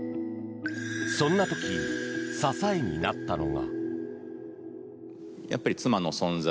そんな時、支えになったのが。